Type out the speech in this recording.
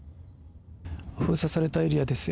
封鎖されたエリアです。